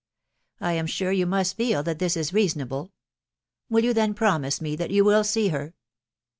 I am sure yon must feel that this is reasonable. ... Will you then promise me that you will see her